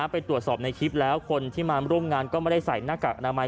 ไปตรวจสอบในคลิปแล้วคนที่มาร่วมงานก็ไม่ได้ใส่หน้ากากอนามัย